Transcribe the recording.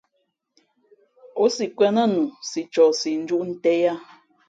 O si kwēn nά nu si ncohsi njūʼ nten yāā.